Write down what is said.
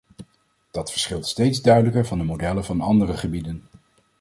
Dat verschilt steeds duidelijker van de modellen van andere gebieden.